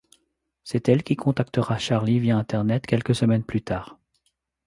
C'est elle qui contactera Charlie via internet quelques semaines plus tard.